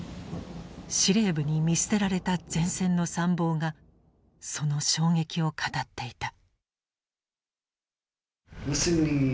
司令部に見捨てられた前線の参謀がその衝撃を語っていた。